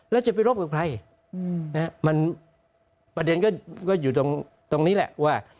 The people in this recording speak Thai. แล้วจะไปรบกับใครมันประเด็นก็อยู่ตรงนี้แหละว่า